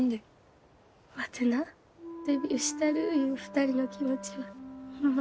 ワテなデビューしたるいう２人の気持ちはホンマ